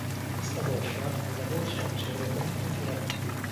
Questa volta alla voce c'è Roberto Tiranti.